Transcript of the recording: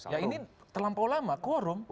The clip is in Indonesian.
ya ini terlampau lama quorum